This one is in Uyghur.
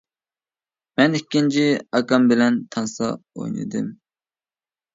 مەن ئىككىنچى ئاكام بىلەن تانسا ئوينىدىم.